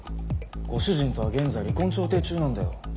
ご主人とは現在離婚調停中なんだよ。